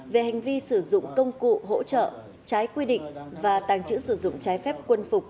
về hành vi sử dụng công cụ hỗ trợ trái quy định và tàng trữ sử dụng trái phép quân phục